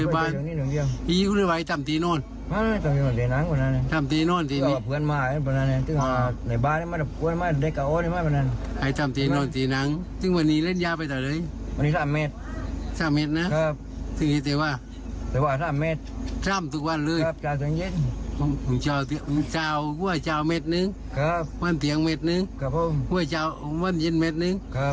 บ้านเจียงเม็ดนึงบ้านเวลาเวลาเม็ดนึง